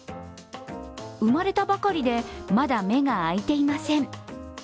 生まれたばかりでまだ目が開いていません。